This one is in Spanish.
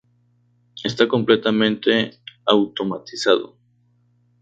Está completamente automatizado.